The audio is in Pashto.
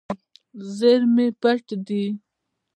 زیرمې پټ دي.